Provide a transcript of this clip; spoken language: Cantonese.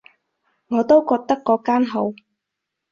我都覺得嗰間好